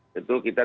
di sisi sekitar